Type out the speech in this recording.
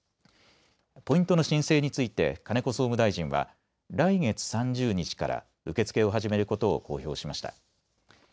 ポイントの申請について金子総務大臣は来月３０日から受け付けを始めることを公表しました。